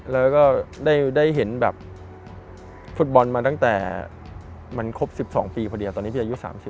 แล้วก็ได้เห็นแบบฟุตบอลมาตั้งแต่มันครบ๑๒ปีพอดีตอนนี้ที่อายุ๓๐